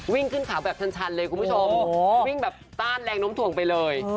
วิ่งขึ้นเขาแบบชันเลยคุณผู้ชมวิ่งแบบต้านแรงน้มถ่วงไปเลย